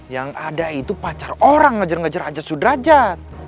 yang ada itu pacar orang ngejar ngejar ajat sudra ajat